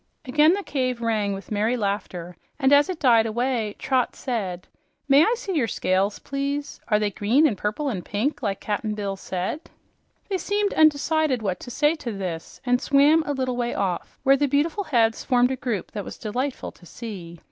Again the cave rang with merry laughter, and as it died away, Trot said, "May I see your scales, please? And are they green and purple and pink like Cap'n Bill said?" They seemed undecided what to say to this and swam a little way off, where the beautiful heads formed a group that was delightful to see.